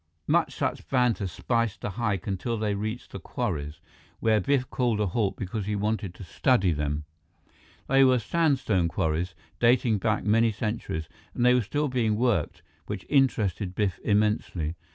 More such banter spiced the hike until they reached the quarries, where Biff called a halt because he wanted to study them. They were sandstone quarries, dating back many centuries, and they were still being worked, which interested Biff immensely.